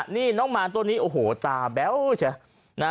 นี่น้องมานตัวนี้ตาแบ๊วชะ